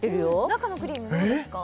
中のクリームどうですか？